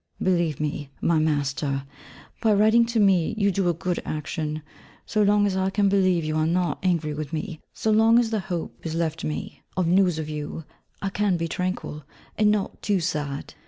Believe me, my Master! by writing to me, you do a good action so long as I can believe you are not angry with me, so long as the hope is left me of news of you, I can be tranquil, and not too sad.